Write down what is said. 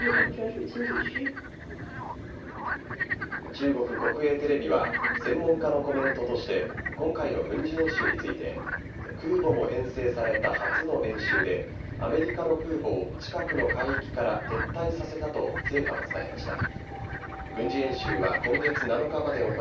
中国国営テレビは専門家のコメントとして今回の軍事演習について空母も編成された初の演習でアメリカの空母を近くの海域から撤退させたと成果を伝えました。